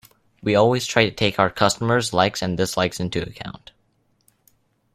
We always try to take our customers’ likes and dislikes into account.